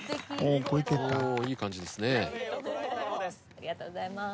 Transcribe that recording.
ありがとうございます。